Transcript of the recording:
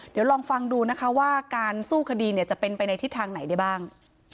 เดี๋ยวลองฟังดูนะคะว่าการสู้คดีจะเป็นไปในทิศทางไหนได้บ้าง